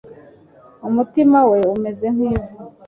umutima we umeze nk'ivu